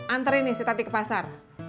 antre nih si tati ke pasar